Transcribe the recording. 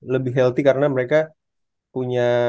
lebih healthy karena mereka punya